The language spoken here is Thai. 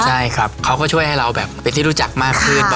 ใช่ครับเขาก็ช่วยให้เราแบบเป็นที่รู้จักมากขึ้น